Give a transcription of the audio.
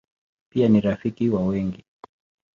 Pia ni rafiki wa wengi.